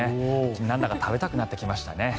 なんだか食べなくなってきましたね。